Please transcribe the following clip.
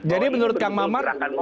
jadi menurut kang maman